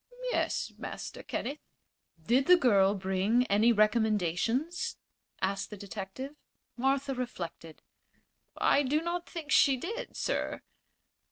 "Yes, Master Kenneth." "Did the girl bring any recommendations?" asked the detective. Martha reflected. "I do not think she did, sir."